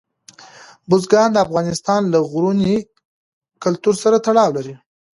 بزګان د افغانستان له لرغوني کلتور سره تړاو لري.